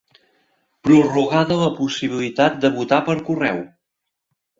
Prorrogada la possibilitat de votar per correu